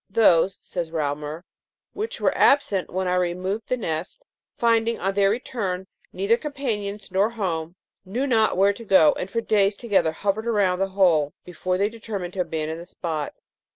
' Those,' says Reaumur, ' which were absent when I removed the nest, finding, on their return, neither companions nor home, knew not where to go, and for days together hovered around the hole before they determined to abandon the spot.'